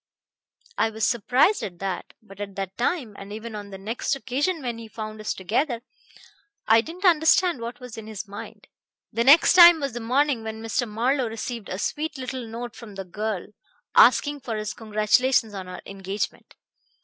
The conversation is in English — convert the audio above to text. I was surprised at that, but at that time and even on the next occasion when he found us together I didn't understand what was in his mind. That next time was the morning when Mr. Marlowe received a sweet little note from the girl asking for his congratulations on her engagement.